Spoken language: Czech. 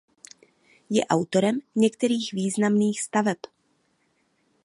Je autorem některých významných staveb.